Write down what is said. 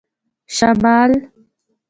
شمال